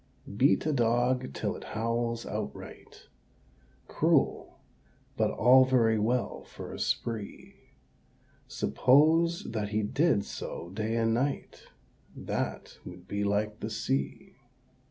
Beat a dog till it howls outright Cruel, but all very well for a spree: Suppose that he did so day and night, That would be like the Sea.